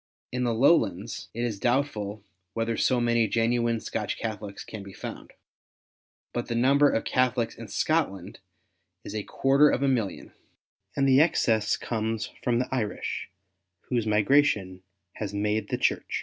In the Lowlands it is doubtful whether so many genuine Scotch Catholics can be found ; but the number of Catholics in Scotland is a quarter of a million, and the excess comes from the Irish, whose migration has made the Church.